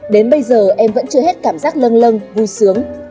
đến bây giờ em vẫn chưa hết cảm giác lâng lâng vui sướng